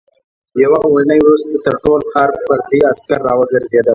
يوه اوونۍ وروسته تر ټول ښار پردي عسکر راوګرځېدل.